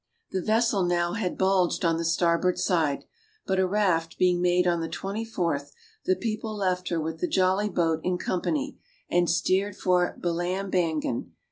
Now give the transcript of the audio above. The vessel now had bulged on the starboard side. But a raft being made on the 24th, the people left her with the jolly boat in company, and steered for Balambangan.